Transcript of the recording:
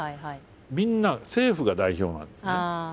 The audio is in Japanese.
みんな政府が代表なんですね。